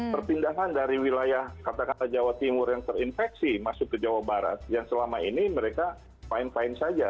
pertindahan dari wilayah kata kata jawa timur yang terinfeksi masuk ke jawa barat yang selama ini mereka fain fain saja